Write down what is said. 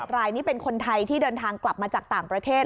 รายนี้เป็นคนไทยที่เดินทางกลับมาจากต่างประเทศ